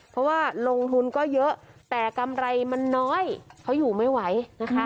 เพราะว่าลงทุนก็เยอะแต่กำไรมันน้อยเขาอยู่ไม่ไหวนะคะ